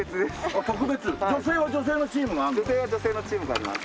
女性は女性のチームがあります。